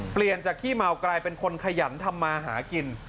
เปลี่ยนจากขี้เมากลายเป็นคนขยันทำมาหากิน